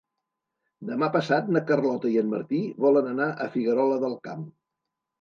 Demà passat na Carlota i en Martí volen anar a Figuerola del Camp.